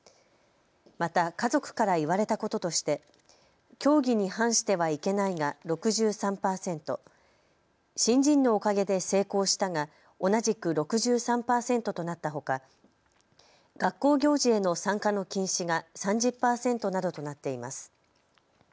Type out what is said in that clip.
また家族から言われたこととして教義に反してはいけないが６３％、信心のおかげで成功したが同じく６３％となったほか、学校行事への参加の禁止が３０％などとなっています。